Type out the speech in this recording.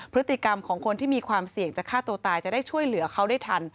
พฤติกรรมของคนที่มีความเสี่ยงจะฆ่าตัวตายจะได้ช่วยเหลือเขาได้ทัน